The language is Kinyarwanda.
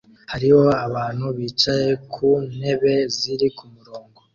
Hariho abantu bicaye ku ntebe ziri ku murongo